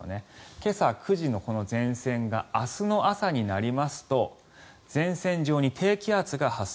今朝９時の前線が明日の朝になりますと前線上に低気圧が発生。